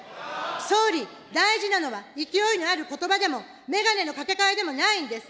総理、大事なのは勢いのあることばでも、眼鏡のかけかえでもないんです。